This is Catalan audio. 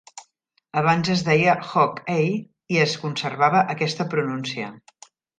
Abans es deia "Hog-Eye" i es conservava aquesta pronúncia.